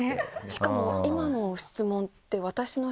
しかも今の質問って。